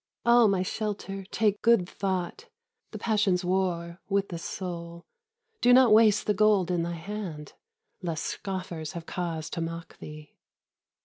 Oh, my shelter! take good thought, The passions war with the soul. Do not waste the gold in thy hand, Lest scoffers have cause to mock thee.